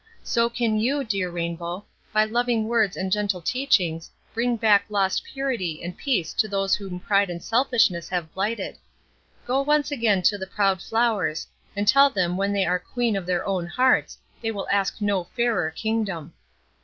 So can you, dear Rainbow, by loving words and gentle teachings, bring back lost purity and peace to those whom pride and selfishness have blighted. Go once again to the proud flowers, and tell them when they are queen of their own hearts they will ask no fairer kingdom.